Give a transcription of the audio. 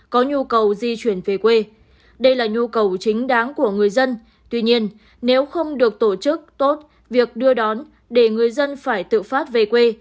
có nhu cầu di chuyển về quê đây là nhu cầu chính đáng của người dân tuy nhiên nếu không được tổ chức tốt việc đưa đón để người dân phải tự phát về quê